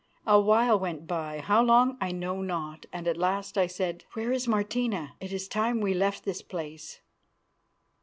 A while went by, how long I know not, and at last I said, "Where is Martina? It is time we left this place."